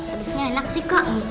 habisnya enak sih kak